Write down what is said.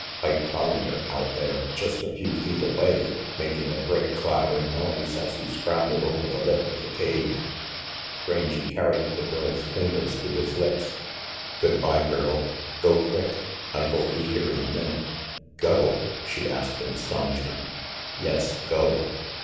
Ike Collander out there, just a few feet away, making a great clattering noise as he scrambled over the lip of the cave. Rangy carried the girl's fingers to his lips. "Good bye, girl. Go, quick. Ike'll be here in a minute." "Go?" she asked in astonishment. "Yes, go."